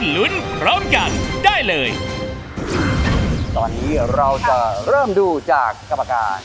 ลุ้นพร้อมกันได้เลยตอนนี้เราจะเริ่มดูจากกรรมการ